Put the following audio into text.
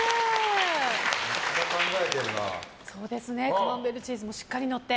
カマンベールチーズもしっかりのって。